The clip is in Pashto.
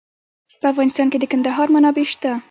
په افغانستان کې د کندهار منابع شته.